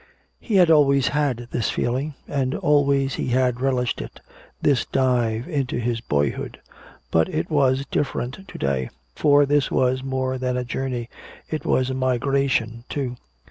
He had always had this feeling, and always he had relished it, this dive into his boyhood. But it was different to day, for this was more than a journey, it was a migration, too.